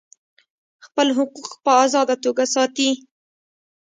خپل حقوق په آزاده توګه ساتي.